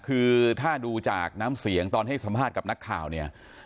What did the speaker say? คือถ้าดูจากน้ำเสียงตอนให้สัมภาษณ์กับนักข่าวเนี่ย